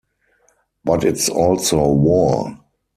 But it's also war.